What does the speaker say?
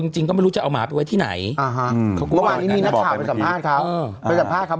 จริงก็ไม่รู้จะเอาหมาทำจริง